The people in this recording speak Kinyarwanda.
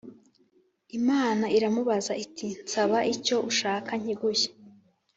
Imana iramubaza iti “Nsaba icyo ushaka nkiguhe”